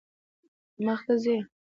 مخ ته ځئ